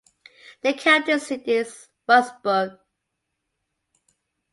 The county seat is Rustburg.